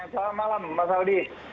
selamat malam mas aldi